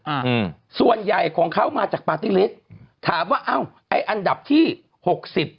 อืมส่วนใหญ่ของเขามาจากปาร์ตี้ลิสต์ถามว่าอ้าวไอ้อันดับที่หกสิบ